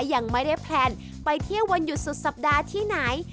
ยังไม่ได้แพลนไปเที่ยววันหยุดสุดสัปดาห์ที่ไหน